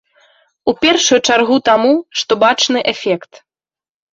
У першую чаргу таму, што бачны эфект.